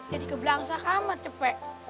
jadi kebelangsaan kamu cepat